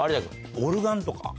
オルガンとか。